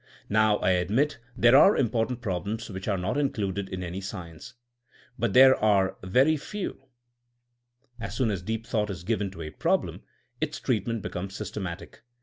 Now I admit there are important problems which are not included in any science. But there are very few. As soon as deep thought is given to a problem its treatment becomes systematic.